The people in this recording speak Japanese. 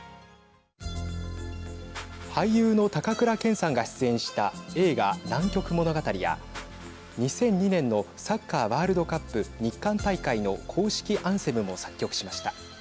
俳優の高倉健さんが出演した映画南極物語や２００２年のサッカーワールドカップ日韓大会の公式アンセムも作曲しました。